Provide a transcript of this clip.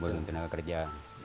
belum tenaga kerja